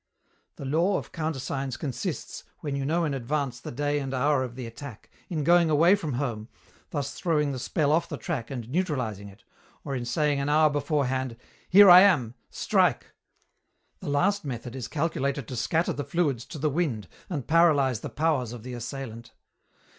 "The law of countersigns consists, when you know in advance the day and hour of the attack, in going away from home, thus throwing the spell off the track and neutralizing it, or in saying an hour beforehand, 'Here I am. Strike!' The last method is calculated to scatter the fluids to the wind and paralyze the powers of the assailant.